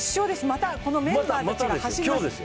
またこのメンバーたちが走ります。